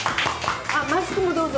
あっマスクもどうぞ。